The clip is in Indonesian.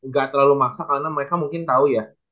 gak terlalu maksa karena mereka mungkin tahu ya